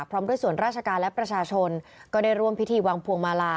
พร้อมด้วยส่วนราชการและประชาชนก็ได้ร่วมพิธีวางพวงมาลา